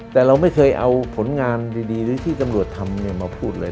แต่เราไม่เคยเอาผลงานดีหรือที่ตำรวจทำมาพูดเลย